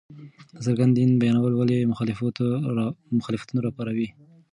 د څرګند دين بيانول ولې مخالفتونه راپاروي!؟